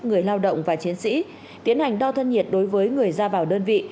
người lao động và chiến sĩ tiến hành đo thân nhiệt đối với người ra vào đơn vị